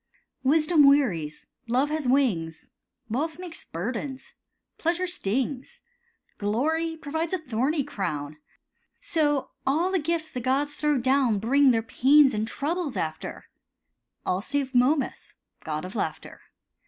Wisdom wearies, Love has wings— Wealth makes burdens, Pleasure stings, Glory proves a thorny crown— So all gifts the gods throw down Bring their pains and troubles after; All save Momus, god of laughter.